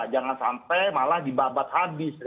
jangan sampai malah dibabat habis